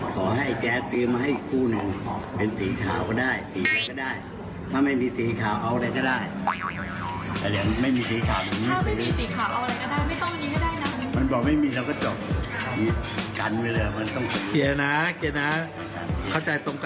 เข้าใจตรงกันนะ